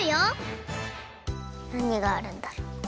なにがあるんだろう？